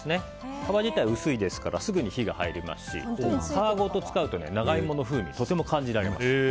皮自体は薄いですからすぐに火が入りますし皮ごと使うと長イモの風味をとても感じられます。